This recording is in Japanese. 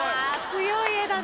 強い絵だな。